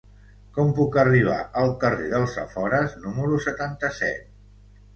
Com puc arribar al carrer dels Afores número setanta-set?